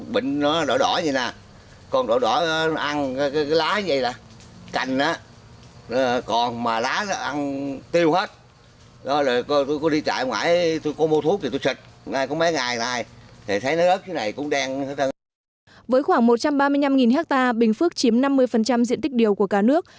với khoảng một trăm ba mươi năm hectare bình phước chiếm năm mươi diện tích điều của cả nước